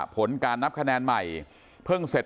ผลการนับคะแนนใหม่เพิ่งเสร็จ